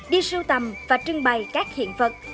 đi sưu tầm và trưng bày các hiện vật